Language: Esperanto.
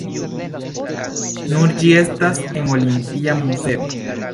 Nun ĝi estas en Olimpia muzeo.